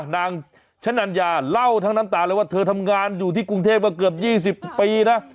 นางชะนัญญาเล่าทั้งน้ำตาเลยว่าเธอทำงานอยู่ที่กรุงเทพมาเกือบ๒๐ปีนะ